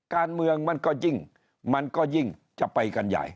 การเมืองมันก็ยิ่งมันก็ยิ่งจะไปกันใหญ่